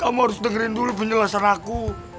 kamu harus dengerin dulu penjelasan aku